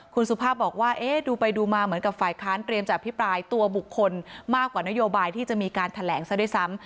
คุณสุภาพบอกว่าดูไปดูมาเหมือนกับฝ่ายค้านเตรียมจะอภิปรายตัวบุคคลมากกว่านโยบายที่จะมีการแถลงซะด้วยซ้ำ